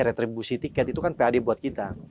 retribusi tiket itu kan pad buat kita